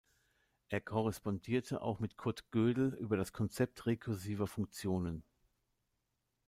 Er korrespondierte auch mit Kurt Gödel über das Konzept rekursiver Funktionen.